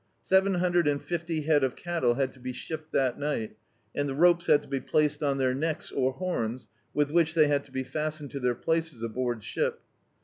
Seven 4iundred and fifty head of cattle had to be shipped that nig^t, and the ropes had to be placed on their necks or horns, with which they had to be fastened to their places aboard ship.